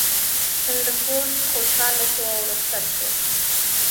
سنډفورډ خوشحاله شو او رخصت شو.